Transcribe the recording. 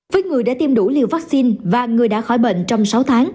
với người đã tiêm đủ liều vaccine và người đã khỏi bệnh trong sáu tháng